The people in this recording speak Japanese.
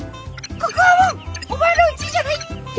「ここはもうお前のうちじゃない」って。